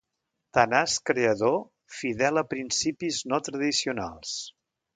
Tenaç creador fidel a principis no tradicionals.